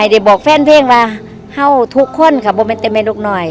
ให้ได้บอกแฟนเพลงว่าเฮ้าทุกคนค่ะบ่มันเต็มแมนลูกหน่อย